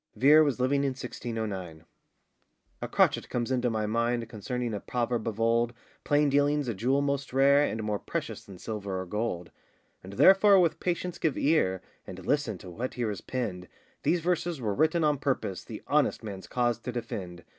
Vere was living in 1609.] A CROTCHET comes into my mind Concerning a proverb of old, Plain dealing's a jewel most rare, And more precious than silver or gold: And therefore with patience give ear, And listen to what here is penned, These verses were written on purpose The honest man's cause to defend.